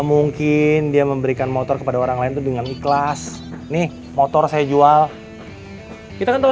mungkin dia memberikan motor kepada orang lain itu dengan ikhlas nih motor saya jual kita kan tahu